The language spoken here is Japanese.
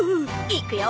いくよ。